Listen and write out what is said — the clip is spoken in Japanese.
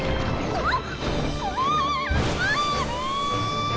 あっ！